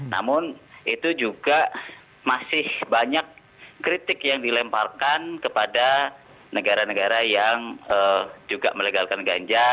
namun itu juga masih banyak kritik yang dilemparkan kepada negara negara yang juga melegalkan ganja